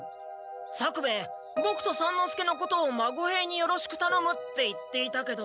作兵衛ボクと三之助のことを孫兵に「よろしくたのむ」って言っていたけど。